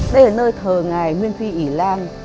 đây là nơi thờ ngài nguyên phi ỉ lan